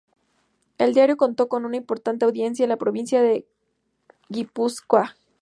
El diario contó con una importante audiencia en la provincia de Guipúzcoa.